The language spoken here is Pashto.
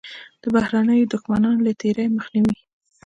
د بهرنیو دښمنانو له تېري مخنیوی.